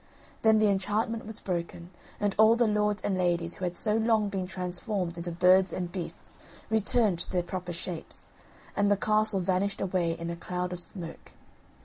Then the enchantment was broken, and all the lords and ladies who had so long been transformed into birds and beasts returned to their proper shapes, and the castle vanished away in a cloud of smoke.